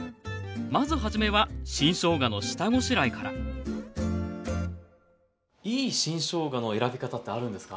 まずはじめは新しょうがの下ごしらえからいい新しょうがの選び方ってあるんですか？